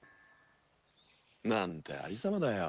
何てありさまだよ。